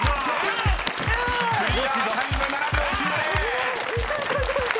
［クリアタイム７秒９０］よしっ！